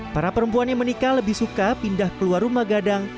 para perempuan yang menikah lebih suka pindah keluar rumah gadang